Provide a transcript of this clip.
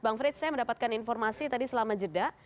bang frits saya mendapatkan informasi tadi selama jeda